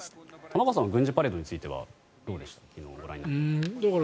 玉川さんは軍事パレードについてはどうでしたか？